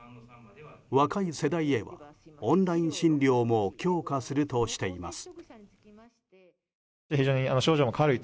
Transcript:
若い世代へは、オンライン診療も強化するとしています。